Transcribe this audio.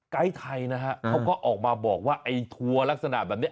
ไทยนะฮะเขาก็ออกมาบอกว่าไอ้ทัวร์ลักษณะแบบนี้